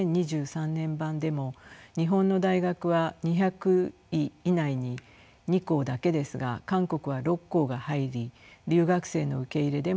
年版でも日本の大学は２００位以内に２校だけですが韓国は６校が入り留学生の受け入れでも日本に先行しています。